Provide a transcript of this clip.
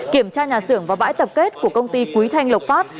kiểm tra nhà xưởng và bãi tập kết của công ty quý thanh lộc phát